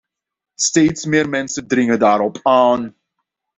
Steeds meer mensen dringen daarop aan.